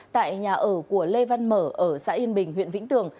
tại nhà ở của lê văn mở ở xã yên bình huyện vĩnh tường